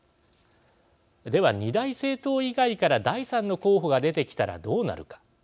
では、２大政党以外から第３の候補が出てきたらどうなるか。